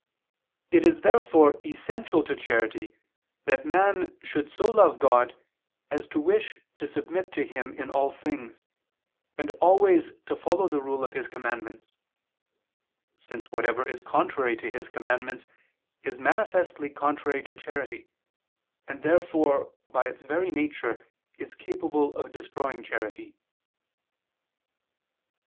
It is therefore essential to charity that man should so love God as to wish to submit to Him in all things, and always to follow the rule of His commandments; since whatever is contrary to His commandments is manifestly contrary to charity, and therefore by its very nature is capable of destroying charity.